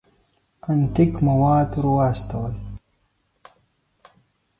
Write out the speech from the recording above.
انتیک مواد ور واستول.